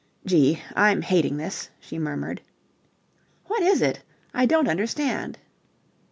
"Gee! I'm hating this!" she murmured. "What is it? I don't understand."